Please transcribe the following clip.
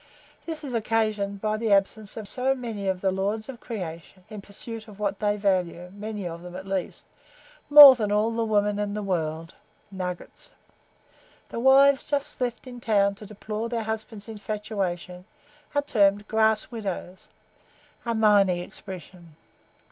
This is occasioned by the absence of so many of the "lords of creation" in pursuit of what they value many of them, at least more than all the women in the world nuggets. The wives thus left in town to deplore their husbands' infatuation, are termed "grass widows" a mining expression.